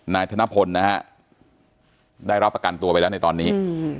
นายธนพลนะฮะได้รับประกันตัวไปแล้วในตอนนี้